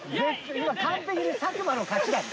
完璧に佐久間の勝ちだね。